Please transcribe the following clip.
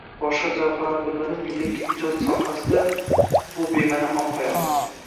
Boshqa jabhalarni bilmadim-ku, lekin ijob sohasida bu bema’ni xomxayol.